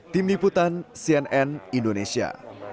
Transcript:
tim liputan cnn indonesia